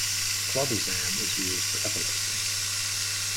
Clobazam is used for epilepsy.